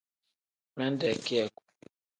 Minde kiyaku.